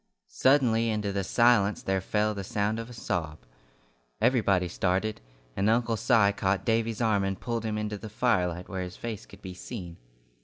Suddenly into the silence there fell the sound of a sob. Everybody started, and Uncle Si caught Davy's arm and pulled him into the firelight where his face could be seen.